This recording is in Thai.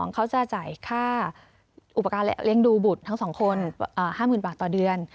เขาจะจ่ายค่าอุปกรณ์และเลี้ยงดูบุตรทั้ง๒คน๕๐๐๐บาทต่อเดือน